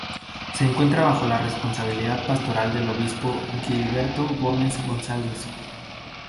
Se encuentra bajo la responsabilidad pastoral del obispo Gilberto Gómez González.